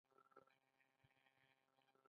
دوی خطاطي په کمپیوټر کې کوي.